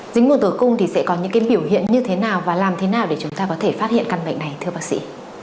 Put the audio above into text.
dính vùng tử cung thì sẽ có những biểu hiện như thế nào và làm thế nào để chúng ta có thể phát hiện căn bệnh này thưa bác sĩ